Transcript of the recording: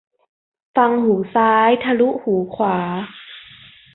ฟังหูซ้าย ทะลุหูขวา